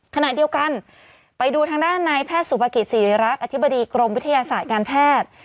ขณะเดียวกันไปดูทางด้านในแพทย์สุภกิจศิริรักษ์อธิบดีกรมวิทยาศาสตร์การแพทย์